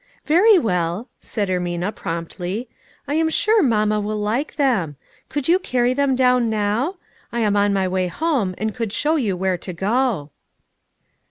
" Very well," said Ermina promptly, " I am sure mamma will like them; could you carry them down now ? I am on my way home and could show you where to go."